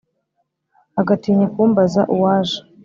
agatinya kumbaza uwaje